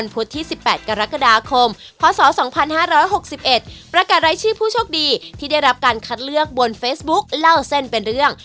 ปรากฎรายชีพผู้โชคดีที่ได้รับการคัดเลือกบนเฟสบุ๊คเล่าเส้นเป็นเรื่อง